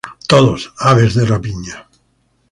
Todos, aves de rapiña.